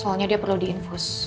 soalnya dia perlu diinfus